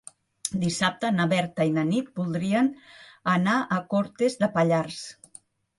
Dissabte na Berta i na Nit voldrien anar a Cortes de Pallars.